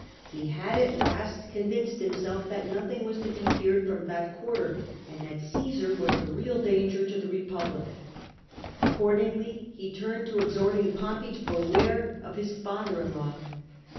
He had at last convinced himself that nothing was to be feared from that quarter, and that Caesar was the real danger to the Eepublic. Accordingly he turned to exhorting Pompey to beware of his father in law.